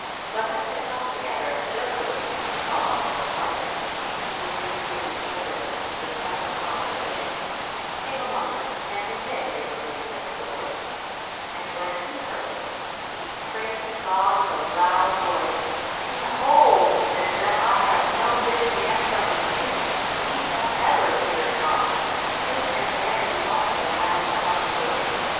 But as they talked together, Joseph, called also Barnabas, which is being interpreted, the Son of Consolation, came among them, and to him they repeated their story. And when he heard it he praised God with a loud voice. " Behold," he said to them, " I have known this man from his youth ; he hath ever feared God, truth and verity also hath his tongue spoken.